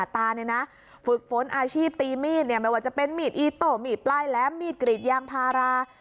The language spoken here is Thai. ฝึกฝนอาชีพตีมีดไม่ว่าจะเป็นมีดอิโตมีดปลายแหลมมีดกรีดยางพารา